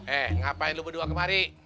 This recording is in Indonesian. eh ngapain lu berdua kemari